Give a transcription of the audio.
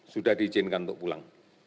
sudah diizinkan tukpun